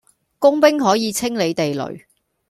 工兵可以清理地雷